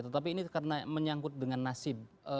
tetapi ini karena menyangkut dengan nasib